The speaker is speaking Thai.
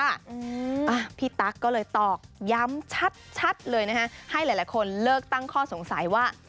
อ่ะพี่ตั๊กก็เลยตอกย้ำชัดชัดเลยนะฮะให้หลายคนเลิกตั้งข้อสงสัยว่า